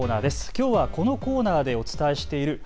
きょうはこのコーナーでお伝えしている＃